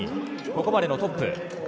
ここまでのトップ。